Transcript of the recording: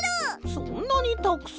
そんなにたくさん？